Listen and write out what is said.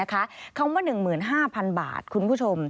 คำว่า๑๕๐๐๐บาทคุณผู้ชม